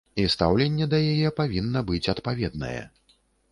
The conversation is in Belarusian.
І стаўленне да яе павінна быць адпаведнае.